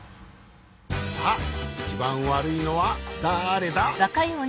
さあいちばんわるいのはだれだ？